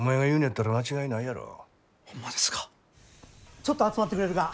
ちょっと集まってくれるか。